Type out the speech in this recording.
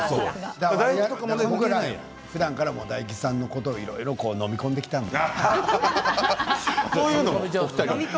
ふだんから大吉さんのこと、いろいろとのみ込んできたので。